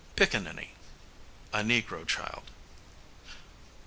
Picaninny, a negro child.